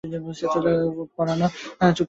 পরাণও চুপচাপ খানিক বসিয়া থাকিয়া উঠিয়া গিয়াছিল।